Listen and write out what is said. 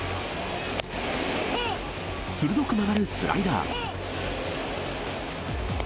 鋭く曲がるスライダー。